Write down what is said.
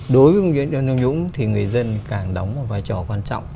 đối với người dân chống tham nhũng thì người dân càng đóng một vai trò quan trọng